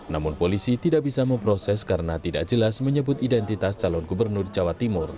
namun polisi tidak bisa memproses karena tidak jelas menyebut identitas calon gubernur jawa timur